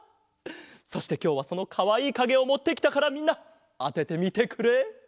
そしてきょうはそのかわいいかげをもってきたからみんなあててみてくれ。